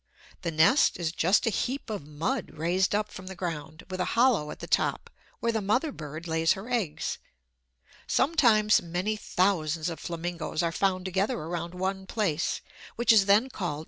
The nest is just a heap of mud raised up from the ground, with a hollow at the top where the mother bird lays her eggs. Sometimes many thousands of flamingos are found together around one place, which is then called a flamingo colony.